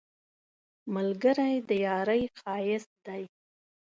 ملګری د یارۍ ښایست دی